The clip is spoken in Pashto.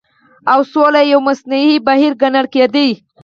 او سوله يو مصنوعي بهير ګڼل کېدی